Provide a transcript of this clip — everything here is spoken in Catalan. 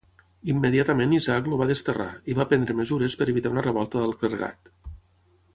Immediatament Isaac el va desterrar, i va prendre mesures per evitar una revolta del clergat.